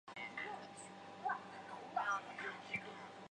当赍首赴阙。